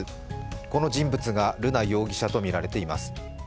この人物が瑠奈容疑者とみられています。